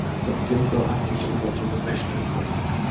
তবে কেহ কেহ আর্থিক সুবিধার জন্য খ্রীষ্টান হয়।